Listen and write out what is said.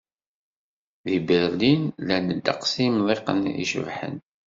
Di Berlin, llan ddeqs n yemḍiqen icebḥen.